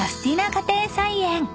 家庭菜園］